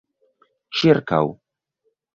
ĉirkaŭ